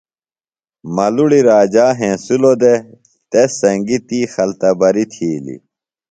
ملُڑی راجا ہینسِلوۡ دےۡ تس سنگیۡ تی خلتبریۡ تھیلیۡ